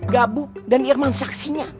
gabu dan irman saksinya